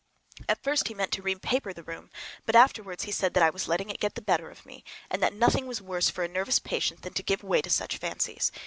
At first he meant to repaper the room, but afterwards he said that I was letting it get the better of me, and that nothing was worse for a nervous patient than to give way to such fancies.